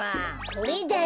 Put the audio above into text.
これだよ！